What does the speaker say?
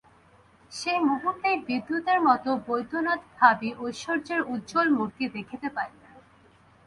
সেই মুহূর্তেই বিদ্যুতের মতো বৈদ্যনাথ ভাবী ঐশ্বর্যের উজ্জ্বল মূর্তি দেখিতে পাইলেন।